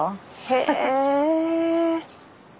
へえ。